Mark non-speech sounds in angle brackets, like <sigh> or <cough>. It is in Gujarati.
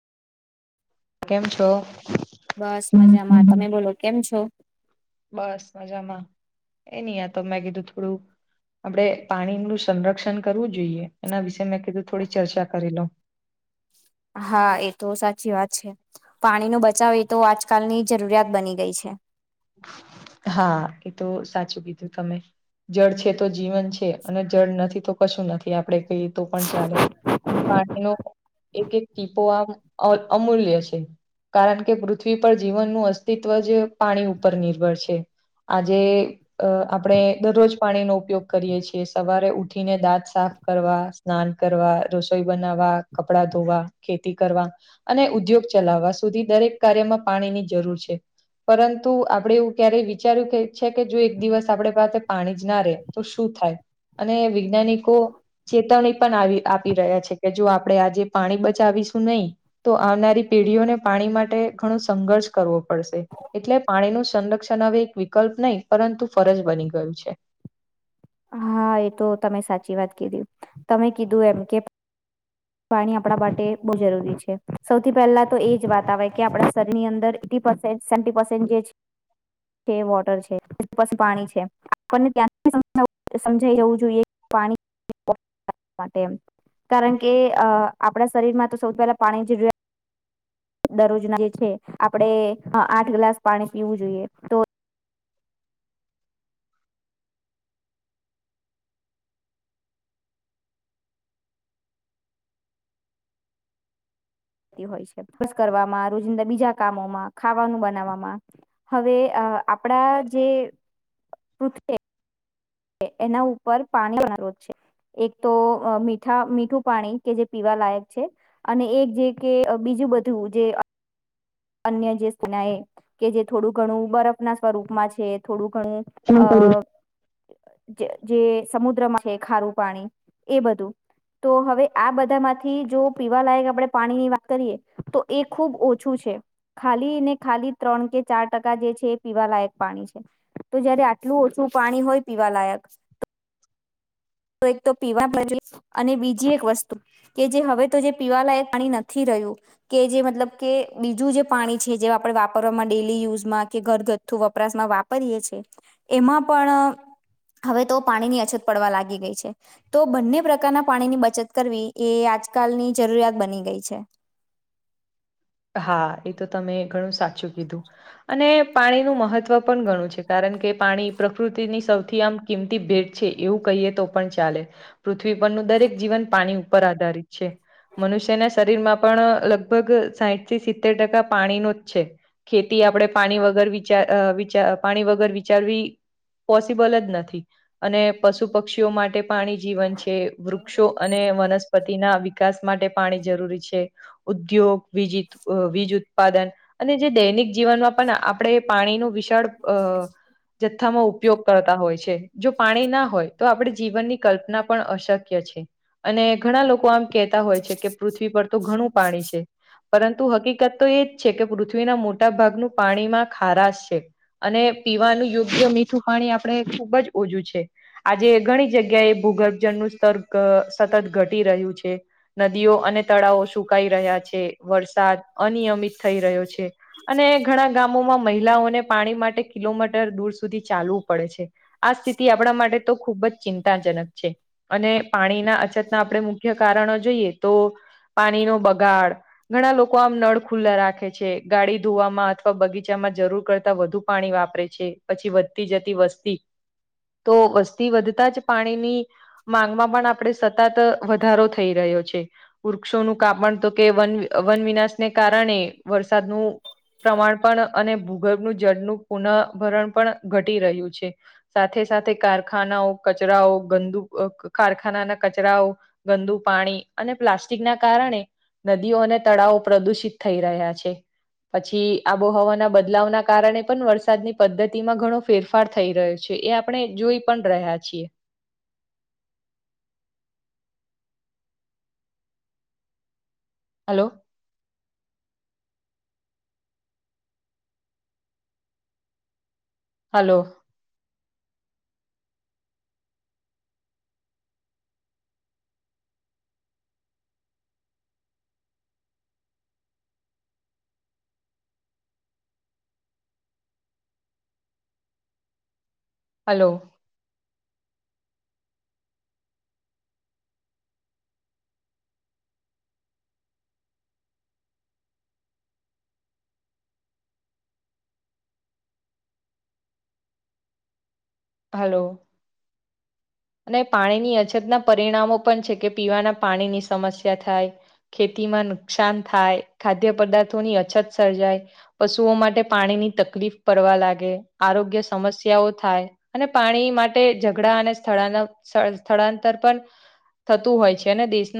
કેમ છો? બસ હમ મજામાં, હમ. તમે બોલો કેમ છો? બસ મજામાં એ નહ આ તો મેં કીધું થોડું આપણે પાણીનું સંરક્ષણ કરવું જોઈએ એના વિશે મેં કીધું થોડી ચર્ચા કરી લો. હા, એ તો સાચી વાત છે. પાણીનું બચાવ એ તો આજકાલની જરૂરિયાત બની ગઈ છે. હા એ તો સાચું કીધું તમે. જળ છે તો જીવન છે અને જળ નથી તો કશું નથી આપડે એ તો પણ ચાલે અને પાણી ન એક-એક ટીપો આમ અમૂલ્ય છે. કારણ કે પૃથ્વી પર જીવનનું અસ્તિત્વ જ પાણી ઉપર નિર્ભર છે. આજે અ આપણેે દરરોજ પાણીનો ઉપયોગ કરીએ છીએ સવારે ઉઠીને દાંત સાફ કરવા સ્નાન કરવા રસોઈ બનાવવા કપડા ધોવા ખેતી કરવા અને ઉદ્યોગ ચલાવવા સુધી દરેક કાર્યમાં પાણીની જરૂર છે પરંતુ તું આપડે એવું ક્યારેય વિચાર્યું કે છે કે જો એક દિવસ આપડે પાસે પાણી જ ના રે તો શું થાય. અને વૈજ્ઞાનિકો ચેતવણી પણ આવી આપી રહ્યા છે કે જો આપણે આજે પાણી બચાવીશું નહી તો આવનારી પેઢીઓને પાણી માટે ઘણો સંઘર્ષ કરવો પડશે એટલે પાણી નું સંરક્ષણ હવે એક વિકલ્પ નહી પરંતુ ફરજ બની ગયું છે. હા એ તો સાચી વાત કીધી તમે એમ કે પાણી આપણા માટે બહુ જરૂરી છે સૌથી પહેલા તો એ જ વાત આવે કે આપણા શરીરની અંદર ટીપર્સેન્ટ સ્ન્ટીપરસેન્ટ <inaudible> છે વોટર છે એ પાછ પાણી છે આપણને ત્યાં સમજાઈ જવું જોઈએ. પાણી કારણ કે કે આપણા માં તો સૌથી પાણી જે જો દરરોજ ના જે છે આપડે આઠ ગ્લાસ પાણી પીવું જોઈએ તો હોય છે ખર્ચ કરવામાં રોજિંદા બીજા કામોમાં ખાવાનું બનાવવામાં. હવે આપણા જે પૃથ્વી એના ઉપર પાણી અના રોધ છે. એક તો મીઠા મીઠું પાણી કે જે પીવા લાયક છે. અને એક જે કે બીજું બધું જે અન્ય જે સ્ના એ કે જે થોડું ઘણું બરફ ના સ્વરૂપમાં છે થોડું ઘણું અ. જે સમુદ્રમાં છે ખારું પાણી એ બધું તો હવે આ બધામાં થી જો પીવા લયક આપડણે પાણીની વાત કરીએ તો એ ખુબ ઓછું છે. ને ખાલી ત્રણ કે ચાર ટકા જે છે પીવા લયક પાણી છે. તો જયારે આટલું ઓછું પાણી હોય પીવાલાયક ત તો એક તો પીવા <inaudible> <inaudible> ભજુ અને બીજી એક વસ્તુ કે જે હવે તો જે પીવાલાયક પાણી નથી રહ્યું કે જે મતલબ કે બીજું જે પાણી છે જે આપણે વાપરવામાં ડેલી યુઝમાં કે ઘરગથ્થુ વપરાશમાં વાપરીએ છીએ પણ હવે તો અછત પડવા લાગી ગઈ છે. તો બંને પ્રકારના પાણીની બચત કરવી એ આજકાલની જરૂરિયાત બની ગઈ છે. હા એ તો તમે ઘણું સાચું કીધું. અને મહત્વ પણ છે કારણ કે પાણી પ્રકૃતિની સૌથી આમ કિંમતી ભેટ છે એવું કહીએ તો પણ ચાલે પૃથ્વી પરનું દરેક જીવન પાણી પર આધારિત છે મનુષ્યના શરીરમાં પણ લગભગ સાઠ સિત્તેર ટકા પાણીનો જ છે. ખેતી આપણે પાણી વગર વિચાર વિચાર પાણી વગર વિચારવી પોસિબલ જ નથી અને પશુ પક્ષીઓ માટે પાણી જીવન છે વૃક્ષો અને વનસ્પ પતિ ના વિકાસ માટે પાણી જરૂરી છે ઉદ્યોગ વિીજ અ વીજ ઉત્પાદન અને જે દૈનિક જીવનમાં પણ આપણે પાણી ન વિશાળ અ જથ્થામાં ઉપયોગ કરતા હોય છે જો પાણી ના હોય તો આપણે જીવનની કલ્પના પણ અશક્ય છે. અને ઘણા લોકો આમ કેતા હોય છે કે પૃથ્વી પર તો ઘણું પાણી છે. પરંતુ હકીકત તો એજ છે કે પૃથ્વીના મોટા પાણીમાં ખારાસ છે. અને પીવાનું યોગ્ય મીઠું પાણી આપણે ખુબ જ ઓછું છે. આજે ઘણી જગ્યા એ ભૂગર્ભ જળનું સ્તર સતત ઘટી રહ્યું છે. નદીઓ તળાવો સુકાઈ છે વરસાદ અનિયમિત થઈ રહ્યો છે. અને ઘણા ગામોમાં મહિલાઓને પાણી માટે કિલોમીટર દૂર સુધી ચાલવું પડે છે. આ સ્થિતિ આપણા માટે તો ખુબ જ ચિંતાજનક છે. અને પાણીના અછતના આપણે મુખ્ય કારણો જોઈએ તો પાણી નો બગાડ ઘણા લોકો લોકો આમ નળ ખુલ્લા રાખે છે ગાડી ધોવામાં અથવા બગીચામાં જરૂર કરતા વધુ પાણી વાપરે છે. પછી વધતી જતી વસ્તી તો વસ્તી વધતા જ પાણીની માંગમાં પણ આપણે સતત વધારો થઈ રહ્યો છે. વૃક્ષોનું કાપણ તો કે વન વનવનાશને કારણે વરસાદનું પ્રમાણ પણ અને ભૂગર્ભનું જળનું પુનઃવરણ પણ ઘટી રહ્યું છે. સાથે સાથે કારખાનાઓ કચરાઓ ગંદુ કારખાનાના કચરાઓ ગંદુ પાણી અને પ્લાસ્ટિક ના કારણે નદીઓ અને તળાવ પ્રદુષિત થઈ રહ્યા છે પછી આબોહવાના બદલાવના કારણે પણ વરસાદની પદ્ધતિમાં ઘણો ફેરફાર થઈ રહ્યો છે એ આપણે જોઈ પણ રહ્યા છીએ હલો હલો હલો હલો અને પાણીની અછતના પરિણામો પણ છે કે પીવાના પાણીની સમસ્યા થાય ખેતીમાં નુકસાન થાય ખાદ્ય પદાર્થોની અછત સર્જાય પશુઓ માટે પાણીની તકલીફ પડવા લાગે આરોગ્ય સમસ્યાઓ થાય અને પાણી માટે ઝઘડા અને, <unintelligible> સ્થળાંતર પણથતું હોય છે દેશના